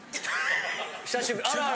久しぶり。